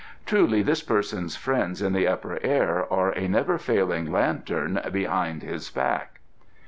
"Truly this person's friends in the Upper Air are a never failing lantern behind his back."